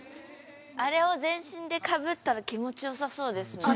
あれを全身でかぶったら気持ち良さそうですよね。